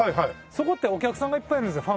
そこってお客さんがいっぱいいるんですよ